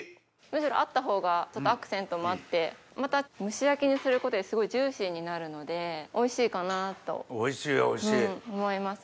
むしろあったほうがアクセントもあってまた蒸し焼きにすることですごいジューシーになるのでおいしいかなと思います。